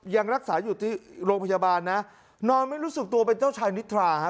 ยังรักษาอยู่ที่โรงพยาบาลนะนอนไม่รู้สึกตัวเป็นเจ้าชายนิทราฮะ